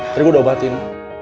tadi gue udah obatin